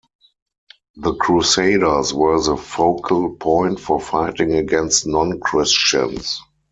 The Crusades were the focal-point for fighting against non-Christians.